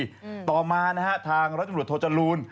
อืมต่อมานะฮะทางร้อยจังหวัดโทจรูน